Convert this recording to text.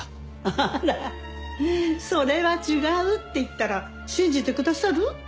あらそれは違うって言ったら信じてくださる？